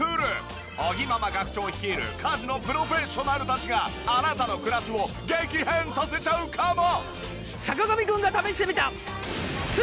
尾木ママ学長率いる家事のプロフェッショナルたちがあなたの暮らしを激変させちゃうかも！？